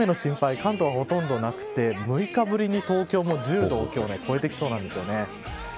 関東ほとんどなくて６日ぶりに東京も１０度を超えてきそうなんですよね。